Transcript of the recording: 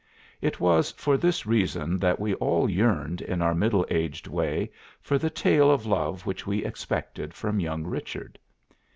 It was for this reason that we all yearned in our middle aged way for the tale of love which we expected from young Richard.